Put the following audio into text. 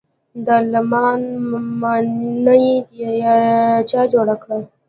دارالامان ماڼۍ چا جوړه کړه؟